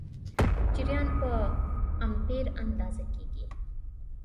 جریان په امپیر اندازه کېږي.